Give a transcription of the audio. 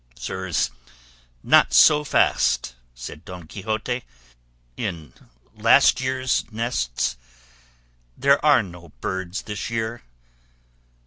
"Sirs, not so fast," said Don Quixote, "'in last year's nests there are no birds this year.